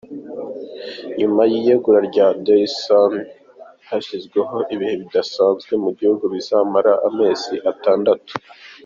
Nyuma y’iyegura rya Desalegn hashyizweho ibihe bidasanzwe mu gihugu bizamara amezi atandatu.